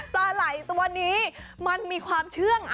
ปลาไหล่ตัวนี้มันมีความเชื่อง